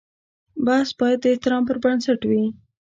بحث باید د احترام پر بنسټ وي.